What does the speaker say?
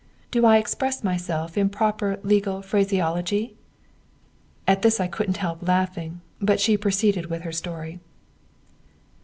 Do I express myself in proper legal phraseology?'" At this I couldn't help laughing, but she proceeded with her story.